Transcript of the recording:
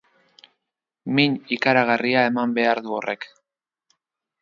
Min ikaragarria eman behar du horrek.